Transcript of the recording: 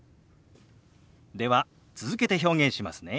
では続けて表現しますね。